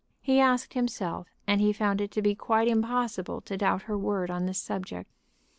He asked himself, and he found it to be quite impossible to doubt her word on this subject.